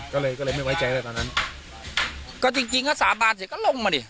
ก็เลยก็เลยไม่ไว้ใจแล้วตอนนั้นก็จริงจริงเขาสาบานเสร็จก็ลงมาดิ